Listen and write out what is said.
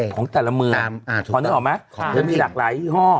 ของแต่ละเมืองพอนึกออกไหมจะมีหลากหลายยี่ห้อ